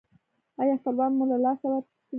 ایا خپلوان مو له لاسه ورکړي؟